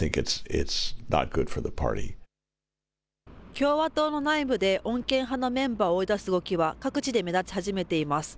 共和党の内部で穏健派のメンバーを追い出す動きは、各地で目立ち始めています。